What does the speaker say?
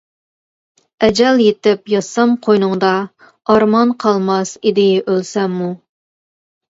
ئەجەل يىتىپ ياتسام قوينۇڭدا، ئارمان قالماس ئىدى ئۆلسەممۇ.